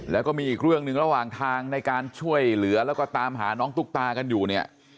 แล้วก็มีอีกเรื่องหนึ่งระหว่างทางในการช่วยเหลือแล้วก็ตามหาน้องตุ๊กตากันอยู่เนี่ย